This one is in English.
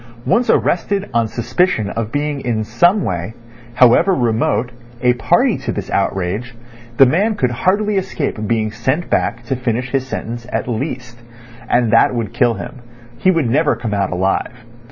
Once arrested on suspicion of being in some way, however remote, a party to this outrage, the man could hardly escape being sent back to finish his sentence at least. And that would kill him; he would never come out alive.